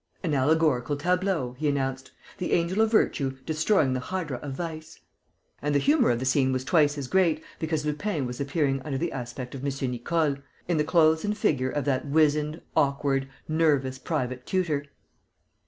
"An allegorical tableau!" he announced. "The angel of virtue destroying the hydra of vice!" And the humour of the scene was twice as great because Lupin was appearing under the aspect of M. Nicole, in the clothes and figure of that wizened, awkward, nervous private tutor.